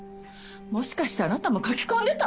もしかしてあなたも書き込んでた？